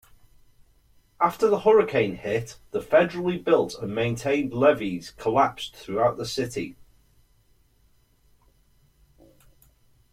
After the hurricane hit, the federally built and maintained levees collapsed throughout the city.